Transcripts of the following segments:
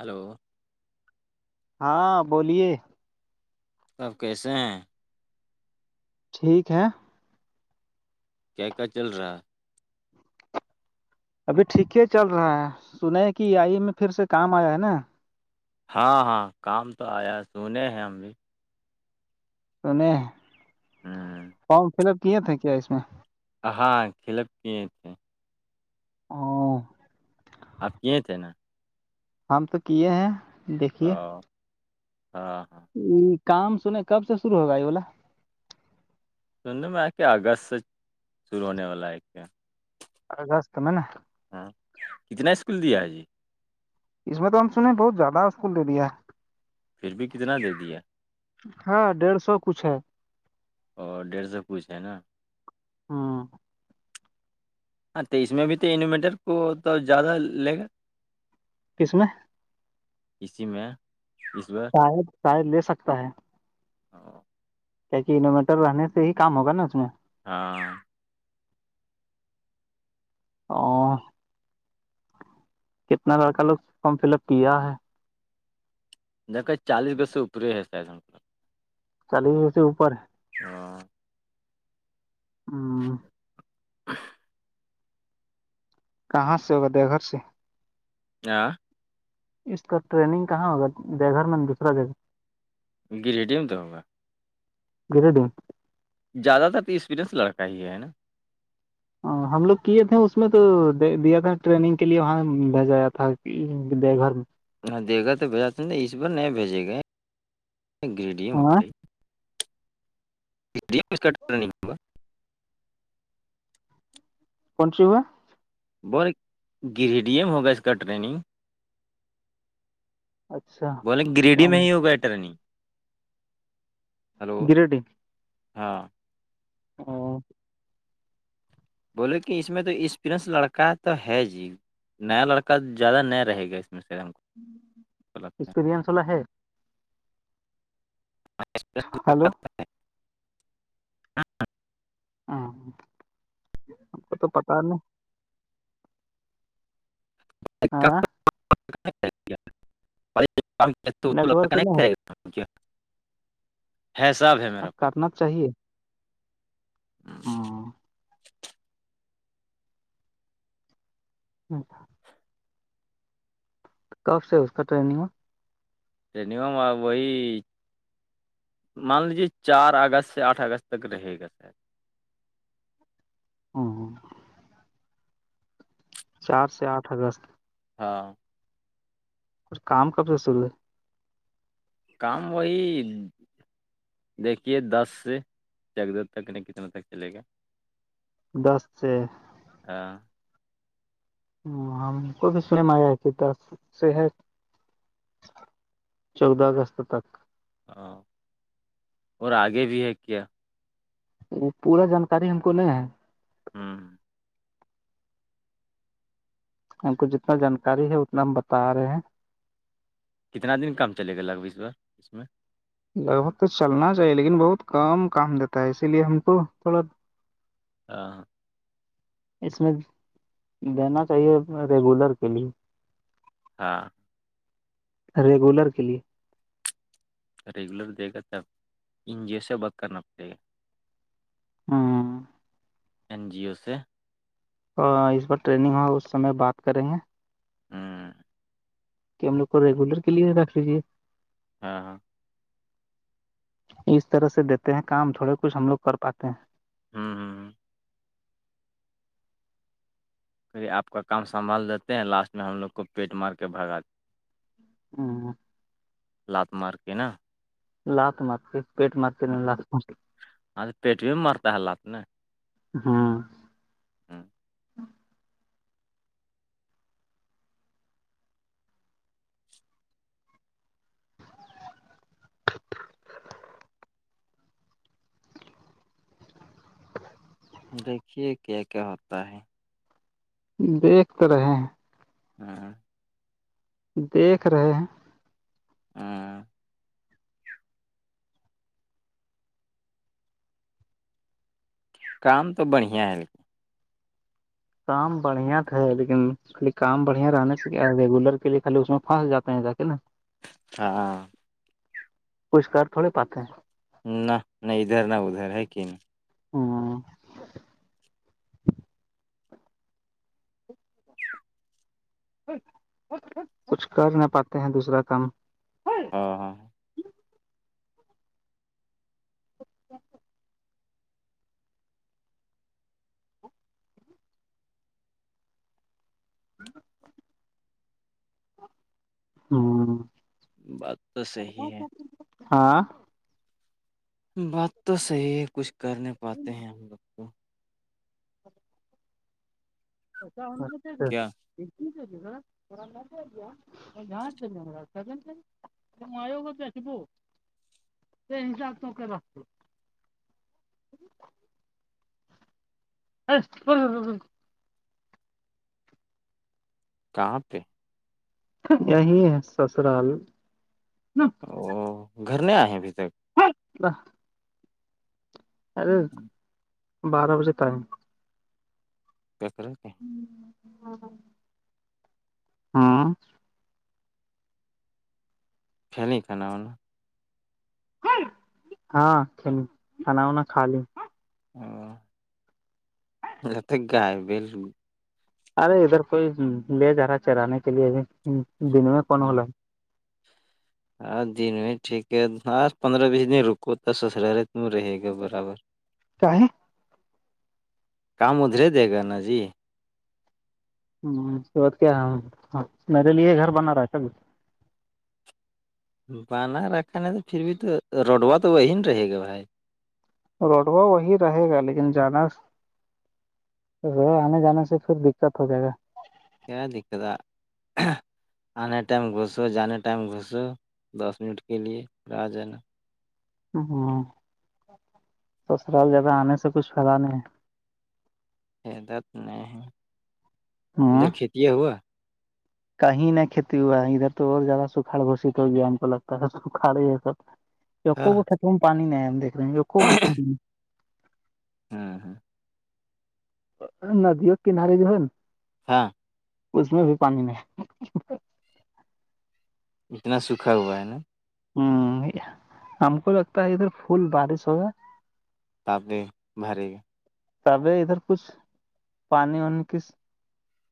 hello ہاں بولیے سب کیسے ہیں ٹھیک ہے کیا کیا چل رہا ہے ابھی ٹھیک ہی چل رہا ہے سن ہے کہ آئی میں پھر سے کام آیا ہے نا ہاں ہاں کام تو آیا سنے ہیں ہم بھی تونے ہ فارم فل اپ کیے تھے کیا اس میں ہاں کلک کی تھے ہاں آپ کیے تھے نا ہم تو کیے ہیں او دیکھیے ہاں ہاں یہ کام سنے کب سے شرو ہوگا یہ بولا سننے میں کہ اگست سے شروع ہونے والا ہے کیا اگست میں نا ہاں کتنا اسکول دیا ہے جی اس میں تو ہم سننے بہت زیادہ اسکول دیا ہے پھر بھی کتنا دے دیا ہاں ڈیڑھ سو کچھ ہے اور ڈیڑھ سو کچھ ہے نا [inaudible] ہاں توس میں بھی تو انوویٹر کو تو زیادہ لے گا کس میں اسی میں اس بار شاید شاید لے سکتا ہے [inaudible] کیا کہ انویٹر رہنے سے ہی کام ہوگا نا اس میں ہاں [unintelligible] کتنا لڑ کا لوگ فارم فل اپ کیا ہے جب کا چالیس گز سےوپر ہی ہے س ہے س چالیس سے اوپر ہاں ہاں [inaudible] کہاں سے ہوگا دیا گھر سے ہاں اس کا ٹریننگ کہاں ہوگا بے گھر میں دوسرا جگہ گرییڈیم تو ہوگا گر دن زیادہ تر تو ایکسپریئنس لڑکا ہی ہے نا ہم لوگ کیے تھے اس میں تو دیا تھا ٹریننگ کے لیے وہاں بھیجایا تھا دیو گھر دے گا تو بھیجا تو نہیں اس بار نہیں بھیجے گئے گڈیم ہاں کٹ کر کون سی ہو ہے بولے گریڈی ایم ہوگا اس کا ٹریننگ اچھا بولے گریڈی میں ہی ہو گئےٹرنی ہلو گریڈنگ ہاں ا [unintelligible] بولے کہ اس میں تو ایکسپرینس لڑکا تو ہے جی نیا لڑکا زیادہ نیا رہے گا اس میں سےم کو لگتا ہے ایکسپرینس واللا ہے [inaudible] ہلو ہاں ہم کو تو پتا نہیں ہاں ل س نیٹ ورک نہیں کیا ح صااب ہے اب پاس کرنا چاہیے ہاں اچ کب سے اس کا ٹریگ ٹرینگ میں وہی مان لیجے چار اگست سے آٹھ اگست تک رہے گا سر ہاں ہ چار سے آٹھ ہزار ہاں اچھ کام کب سے س کام وہی دیکھیے دس سے چیک د تک نہیں کتنا تک چلے گا دس سے ہاں ہ ہم کو بھی سنے میں م آیا ہے کہ د سے ہے چودہ اگست تک ہاں اور آگے بھی ہے کیا وہ پورا جانکاری ہم کو لے ہے ہوں ہم کو جتنا جانکاری ہے اتنا ہم بتا رہے ہیں کتنا دن کم چلے گا لگو اس ب اس میں لگ بھگ تو چلنا چاہیے لیکن بہت کم کام دیتا ہے اسی لیے ہم کو تھوڑا ہاں اس میں دینا چاہیے ریگولر کے لیے ہاں ریگولر کے لیے ریگولر دیکھا تب ان جیسے بک کرنا پڑے گا ہاں این جی او سے اور اس بار ٹریننگ ہو اس سمے بات کر رہے ہیں ہوں کہ ہم لوگ کو ریگولر کے لیے رکھ لیجیے ہاں ہاں اس طرح سے دیتے ہیں کام تھوڑے کچھ ہم لوگ کر پاتے ہیں ہوں ہوں ہوں پی آپ کا کام سنبھال دیتے ہیں لاسٹ میں ہم لوگ کو پیٹ مار کے بھگا ہوں لات مارک ن لااتھ مارتی پیٹ مارتی ن لاات م ہاں تو پیٹ بھی مرتا ہے حالات نے ہاں ہاں دیکھیے کیا کیا ہوتا ہے دیکھ تو رہے ہاں ہ دیکھ رہے ہیں ہاں کام تو بڑھیا ہے کام بڑھیا تھا لیکن خالی کام بڑھیا رہنے سے کیا ریگولر کے لیے خالی اس میں پاس جاتے ہیں جا کے نا ہاں پسکار تھوڑے پاتے ہیں نہ نہیں ادھر نہ ادھر ہے کہ نہیں ہاں کچھ کر نہ پاتے ہیں دوسرا کام ہاں ہاں [inaudible] ہمم ہمم بات تو صحیح ہے ہاں بات تو صحیح ہے کچھ کر نہیں پاتے ہیں ہم لوگ کو سا ہو کیا [inaudible] آوگ بیچبو یہ حساب توک رکھتے [inaudible] کہاں پہ یہی ہے سسرال او گھر نہیں آئے ہیں ابھی تک [unintelligible] ارے بارہ بجے ٹائم [unintelligible] ہ ہاں ہاں فیملی کر ان ہاں کلی کھانا وانا کھا ل ا جتے گائے بیل ارے ادھر کوئی لے جا رہا ہے چرانے کے لیے ا دن میں کون ہو رہ ہے ہاں دن میں ٹھیک ہے ہ پندرہ بیس دن رکو تو سسرالے تم رہے گا برابر کیا ہے کام ادھرے دے گا نا جی ہت کیا ہے میرے لیے گھر بنا رہا ہے سب بنا رکھا نہیں تو پھر بھی تو روڈوا تو وہی ن رہے گا بھائی روڈوا وہی رہے گا لیکن جیادہ رو آنے جانے سے پھر دقت ہو جائے گا کیا دقتا آنے ٹائم گھسو جانے ٹائم گھسو دس منٹ کے لیے پھر آ جانا ہاں سسر جدا آنے سے کچھ پد نہیں ہے حدت نہیں ہے ہے ہ ادھر کھیت ہوا کہیں نہ کھیتی ہوا ہے ادھر تو اور زیادہ سکھاڑ گوشت ہو گیا ہے ہم کو لگتا ہے سکھاڑ یہ سب ہاں جوکو کو کھیتوں میں پانی نہیں ہے ہم دیکھے ہیں جوو کو کتوں میں ہاں ہاں ندی اور کنارے جو ہے نا ہاں اس میں بھی پانی نہیں اتنا سوکھا ہوا ہے نا ہ ہم کو لگتا ہے ادھر پھول بارش ہو جا تپ نے بھرے گ تبھی ادھر کچھ پانی وانی کی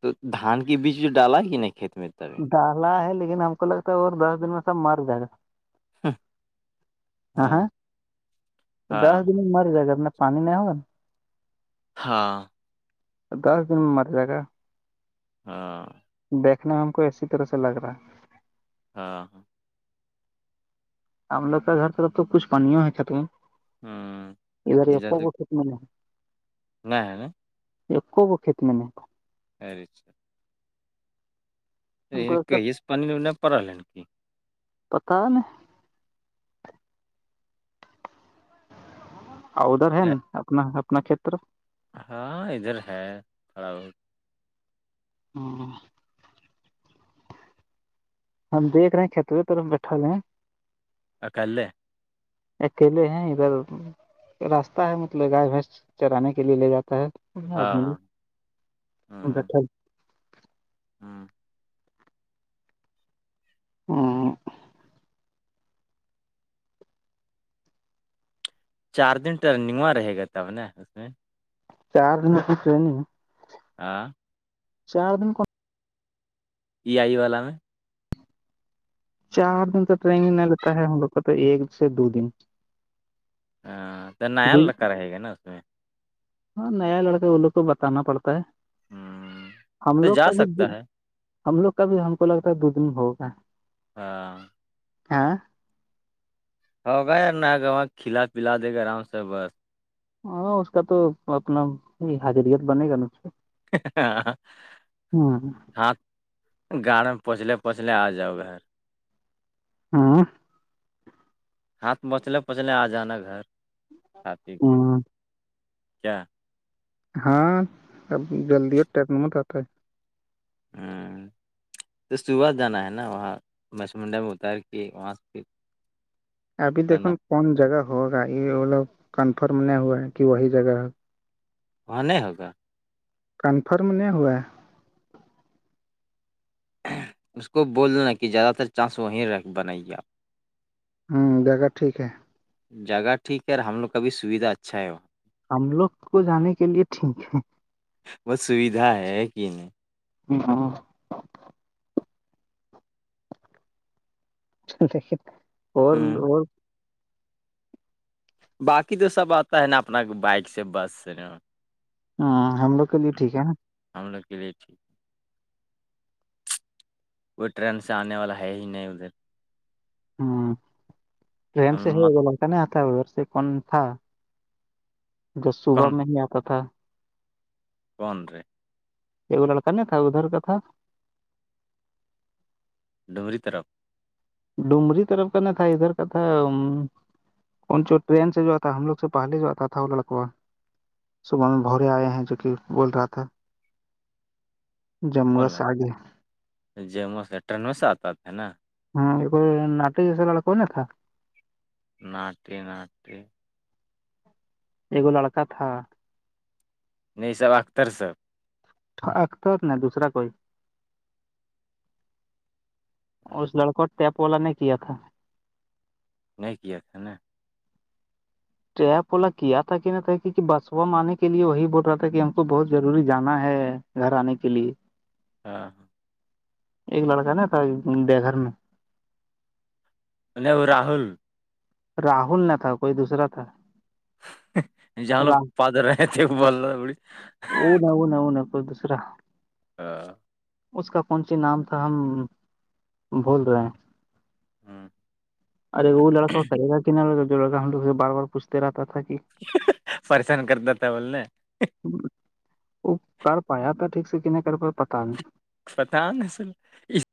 تو دھان کے بیج جو ڈالا ہی نہیں کھیت میں تک ڈہلہ ہے لیکن ہم کو لگتا ہے وہ دس دن میں سب مر جائے گا ہاں ہ دس ہاں دن میں مری جائے گا اپ پانی نہیںا ہوگا ہاں دس دن میں مر جائے گا ہاں دیکنے میں ہم کو اسسی طرح سے لگ رہا ہے ہاں ہاں ہم لوگ کا گھر طرف تو کچھ پانیوں ہے کھٹ میں ہوں ادھر اپ جد کو کھنے ہے نہیں ہے ن ایک ب کتنےم خیری اچا ہم کو کہیے سے پانی نہیں پڑا ہے کہ پتا ہے میں ا ادھر ہے ن اپنا اپنا کھیتر ہاں ادھر ہے کڑا بت [unintelligible] ہم دیک رہے ہیں کتو توور ہم میں بیٹھا رہے ہیں اکل اکیلے ہیں ادھر راستہ ہے مطلب گائے بھینس چرانے کے لیے لے جاتا ہے ہاں آدمی ہاں بیھا ہاں ہاں چار دن ٹرنگواں رہے گا تب نا اس میں چار دن پچ نہیں آاں چار دن کو ای آئی والا میں چار دن تو ٹرین نہیں لیتا ہے ہم لوگ کا تو ایک سے دو دن ہاں تو نیا لڑکا رہے گا نا اس میں ہاں نیا لڑکا وہ لوگ کو بتانا پڑتا ہے ہوں ہم تو لوگ کا جا بھیھی سکتا ہے ہم لوگ کا بھی ہم کو لگتا ہے دو دن ہوگا ہاں ہاں ہوگا یار نہ آگر وہاں کھلا پلا دے گا آرام سے بس ہاں اس کا تو اپنا ہی حاضریت بنے گا نجھ سے ہاں ہاں گاڑ میں پہنچلے پونچلے آ جاؤ گھر ہاں ہاتھ پچلے پچلے آ جانا گھر کھ پی کے ہ کیا ہاں اب جلدی اور ٹرن مت آتا ہے [inaudible] ہوں [inaudible] تو صبح جانا ہے نا وہاں مسمنڈا میں اتار کے وہاں سے پھر ابھی دیکو پکڑنا کون جگہ ہوگا یہ وہ لو کنفرم نہیں ہوا ہے کہ وہی جگہ ہےگ پنے ہوگا کنفرم نہیں ہوا اس کو بولنا کہ زیادہ تر چانس وہیں رہ بنائی گے آپ ہوں د گا ٹھیک ہے جگہ ٹھیک ہے اور ہم لوگ کا بھی سویدھا اچھا ہے وہ ہم لوگ کو جانے کے لیے ٹھیک ہے بس سویدھا ہے کہ نہیں ہ ہاں [unintelligible] دیک اور ہ اور باقی تو سب آتا ہے نا اپنا بائک سے بس سے نا ہوں ہم لوگ کے لیے ہوں، ٹھیک ہے نا ہم لوگ رہےٹھی کوئی ٹرین سے آنے والا ہے ہی نہیں ادھر ہ ن ہم سے ہے مت لڑک نہیں آتا ادھر سے کون تھا [unintelligible] جب صبح کون میں ہی آتا تھا فون رہ ایک وہ لڑکا نہیں تھا ادھر کا تھا ڈومری طرف ڈومری طرف کا نہیں تھا ادھر کا تھا ان جو ٹرین سے جو آ تھا ہم لوگ سے پہلے جو آتا تھا وہ لڑکوا صبح میں بھورے آئے ہیں جو کہ بول رہا تھا جموعہ سے آگے جی مو ٹرین میں سے آتا تھاے نا ہوں ناٹک جیسے لڑا کو نا تھا ناٹ ناٹٹی ایکگو لڑکا تھا نہیں سب اختر سب اختر ن دوسرا کوئی اس ہاں، لڑکوں ٹیپولا نے کیا تھا نہیں کیا تھا ن ٹریپ والا کیا تھا کہ نہ تھا کیکہ بس و م آنے کے لیے وہی بول رہا تھا کہ ہم کو بہت ضروری جانا ہے گھر آنے کے لیے ہاں ہاں ایک لڑکا نا تھا بے گھر میں نہیں وہ راہل راہل نہ تھا کوئی دوسرا تھا جہاں ر لوگ ا پاد رہے تھے وہ بول رہا بڑی ن ا ن ا ن کوئی دوسرا [unintelligible] ہاں [unintelligible] اس کا کون سی نام تھا ہم بول رہے ہیں ہوں، ارے وہ لڑکا کرے گا کہ نہ جو لڑکا ہم لوگ سے بار بار پوچھتے رہتا تھا کہ پریشان کر دی تھا بولنے وہ کر پایا تھا ٹھیک سے کہ نہیں کر پا پتا نہیں پتاہ نصل اس